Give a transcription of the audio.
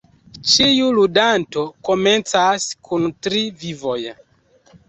Ĉiu ludanto komencas kun tri vivoj.